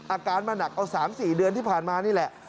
อาการมาหนักเอา๓๔เดือนที่ผ่านมานี่แหละ